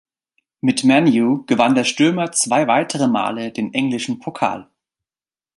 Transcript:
Mit ManU gewann der Stürmer zwei weitere Male den englischen Pokal.